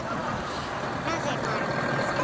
なぜ丸いですか？